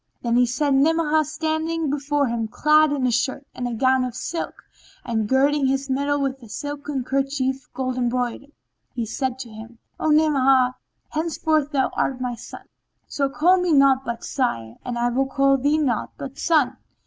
Then he set Ni'amah standing before him clad in a shirt and gown of silk and, girding his middle with a silken kerchief gold embroidered, said to him, "O Ni'amah, henceforth thou art my son; so call me naught but sire, and I will call thee naught but son."